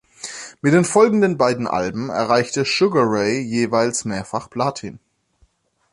Mit den folgenden beiden Alben erreichten Sugar Ray jeweils Mehrfach-Platin.